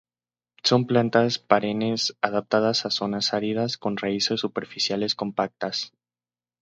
Son plantas perennes adaptadas a zonas áridas con raíces superficiales compactas.